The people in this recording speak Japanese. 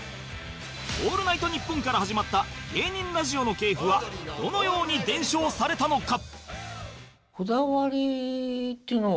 『オールナイトニッポン』から始まった芸人ラジオの系譜はどのように伝承されたのか？